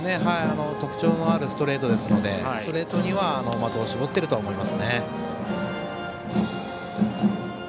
特徴のあるストレートですのでストレートには的を絞っていると思いますね。